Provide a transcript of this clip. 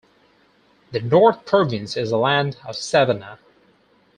The North Province is a land of savanna.